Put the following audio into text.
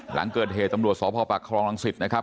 หลังเกิดเหตุตำรวจสพปากครองรังสิตนะครับ